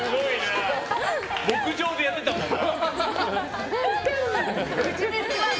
牧場でやってたな。